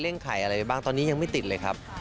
ไข่อะไรไปบ้างตอนนี้ยังไม่ติดเลยครับ